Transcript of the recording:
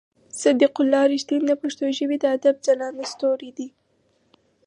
صديق الله رښتين د پښتو ژبې د ادب ځلانده ستوری دی.